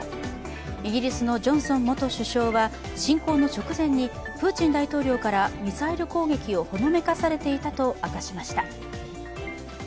イギリスのジョンソン元首相は、侵攻の直前にプーチン大統領からミサイル攻撃をほのめかされていたと明かしました。